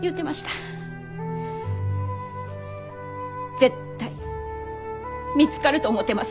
絶対見つかると思てます。